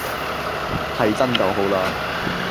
係真就好喇